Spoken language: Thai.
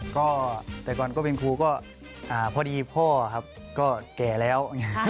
ก็แต่ก่อนก็เป็นครูก็พอดีพ่อครับก็แก่แล้ว